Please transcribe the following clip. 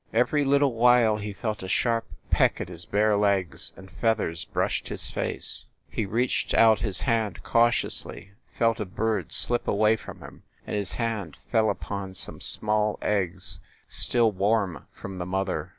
Every little while he felt a sharp peck at his bare legs, and feathers brushed his face. ... He reached out his hand cautiously, felt a bird slip away from him, and his hand fell upon some small eggs, still warm from the mother.